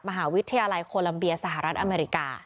มหาวิทยาลัยโคลัมเบียสหรัฐอเมริกา